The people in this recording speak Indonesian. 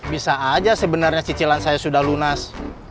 bisa aja sebenarnya cicilan saya sudah lunas